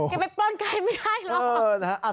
แกไปปล้นใกล้ไม่ได้หรอก